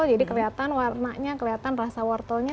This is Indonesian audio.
jadi kelihatan warnanya kelihatan rasa wortelnya